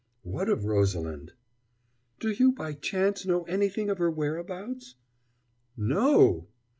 "What of Rosalind?" "Do you by chance know anything of her whereabouts?" "No!"